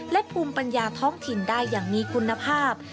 และภูมิปัญญาท้องถิ่นได้อย่างมีคุณภาพ